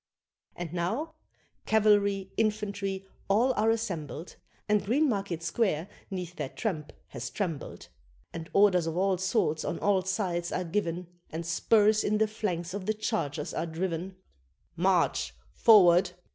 And now cavalry, infantry, all are assembled, And Greenmarket Square 'neath their tramp has trembled; And orders of all sorts on all sides are given, And spurs in the flanks of the chargers are driven "March!" "Forward!"